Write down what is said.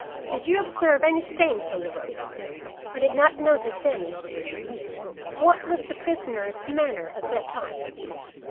"Did you observe any stains on the rope?" "I did not notice any." "What was the prisoner's manner at that time?"